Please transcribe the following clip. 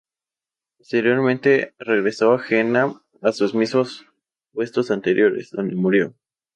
Posteriormente regresó a Jena a sus mismos puestos anteriores, donde murió.